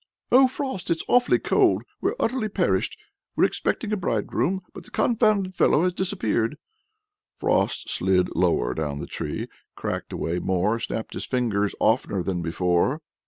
"Oh, Frost, it's awfully cold! we're utterly perished! We're expecting a bridegroom, but the confounded fellow has disappeared." Frost slid lower down the tree, cracked away more, snapped his fingers oftener than before.